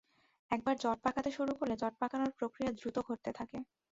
একবার জট পাকাতে শুরু করলে জট পাকানোর প্রক্রিয়া দ্রুত ঘটতে থাকে।